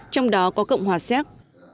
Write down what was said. trong đó có cộng hòa xếp